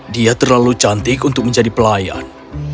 dia terlalu cantik untuk menjadi pelayan